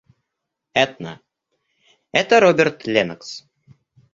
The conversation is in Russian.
Этна, это Роберт Леннокс.